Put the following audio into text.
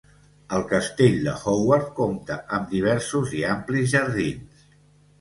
El castell de Howard compta amb diversos i amplis jardins.